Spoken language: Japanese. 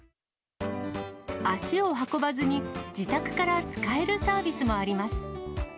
足を運ばずに、自宅から使えるサービスもあります。